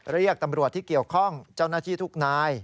เรียกตำรวจที่เกี่ยวข้องเจ้าหน้าที่ทุกนาย